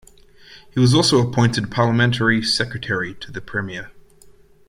He was also appointed Parliamentary Secretary to the Premier.